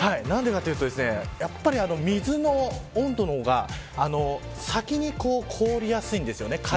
何でかというとやっぱり水の温度の方が先に氷やすいんですよね